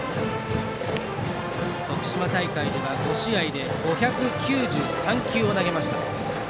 徳島大会では５試合で５９３球を投げました。